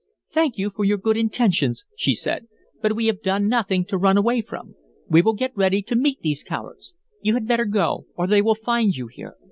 "Thank you for your good intentions," she said, "but we have done nothing to run away from. We will get ready to meet these cowards. You had better go or they will find you here."